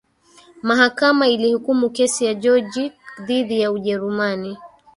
mahakama ilihukumu kesi ya jorgic dhidi ya ujerumani